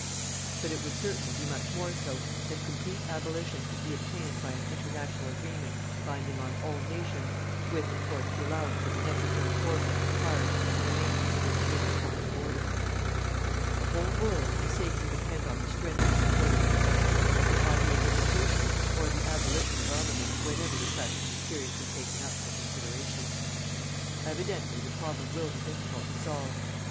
But it would certainly be much more so, if complete abolition could be obtained by an international agreement binding on all nations, with, of course, the allowance of the necessary forces required for the maintenance of interior public order. The whole world can safely depend on the strenuous support of England for either the limitation or the abolition of armaments whenever the question is seriously taken up for consideration. Evidently the problem will be difficult to solve.